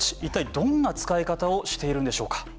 一体どんな使い方をしているんでしょうか。